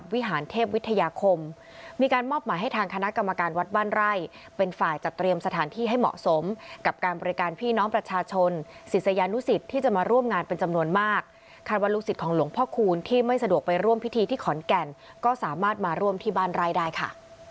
วิหารเทพวิทยาคมมีการมอบหมายให้ทางคณะกรรมการวัดบ้านไร่เป็นฝ่ายจัดเตรียมสถานที่ให้เหมาะสมกับการบริการพี่น้องประชาชนศิษยานุสิตที่จะมาร่วมงานเป็นจำนวนมากคาดว่าลูกศิษย์ของหลวงพ่อคูณที่ไม่สะดวกไปร่วมพิธีที่ขอนแก่นก็สามารถมาร่วมที่บ้านไร่ได้ค่ะ